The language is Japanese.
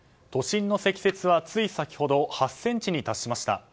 都心の積雪はつい先ほど８ｃｍに達しました。